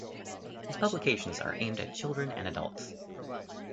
His publications are aimed at children and adults.